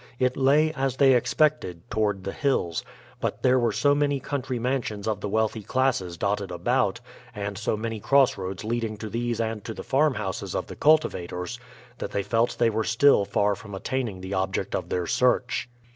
It lay, as they expected, toward the hills; but there were so many country mansions of the wealthy classes dotted about, and so many crossroads leading to these and to the farmhouses of the cultivators, that they felt they were still far from attaining the object of their search.